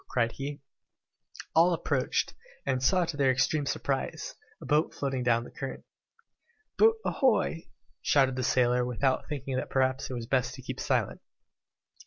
cried he. All approached, and saw to their extreme surprise, a boat floating down the current. "Boat ahoy!" shouted the sailor, without thinking that perhaps it would be best to keep silence.